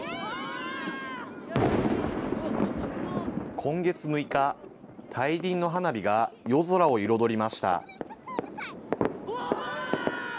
今月６日、大輪の花火が夜空を彩りました。